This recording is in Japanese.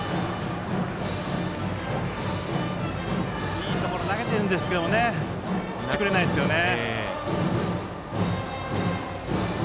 いいところに投げてるんですけど振ってくれないですよね。